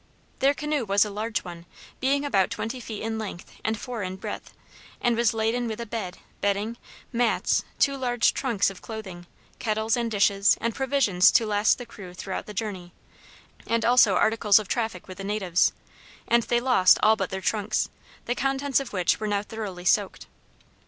Their canoe was a large one, being about twenty feet in length and four in breadth, and was laden with a bed, bedding, mats, two large trunks of clothing, kettles, and dishes, and provisions to last the crew throughout the journey, and also articles of traffic with the natives, and they lost all but their trunks, the contents of which were now thoroughly soaked.